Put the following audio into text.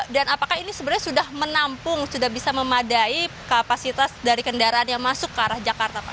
apakah ini sebenarnya sudah menampung sudah bisa memadai kapasitas dari kendaraan yang masuk ke arah jakarta pak